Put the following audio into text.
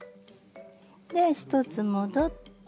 で１つ戻って。